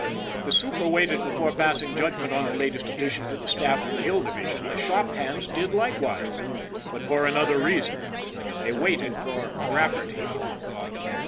If the super waited before passing judgment on the latest addition to the staff of the Hill Division, the shop hands did likewise but for another reason. They waited for Rafferty.